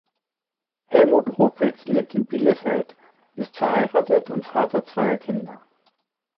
Hellmuth Opitz lebt in Bielefeld, ist verheiratet und Vater zweier Kinder.